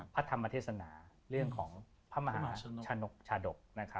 พัฒนธรรมเทศนาเรียนของพระใหมาฮาชนกชาดก